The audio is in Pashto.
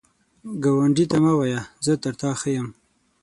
ګاونډي ته مه وایه “زه تر تا ښه یم”